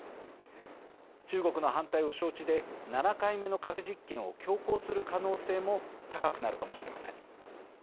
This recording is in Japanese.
中国の反対を承知で７回目の核実験を強行する可能性も高くなるかもしれません。